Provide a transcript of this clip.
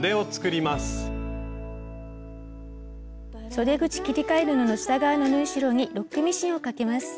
そで口切り替え布の下側の縫い代にロックミシンをかけます。